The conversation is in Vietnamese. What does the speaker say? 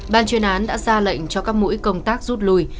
ban chuyên án đã ra lệnh cho các mũi công tác rút lui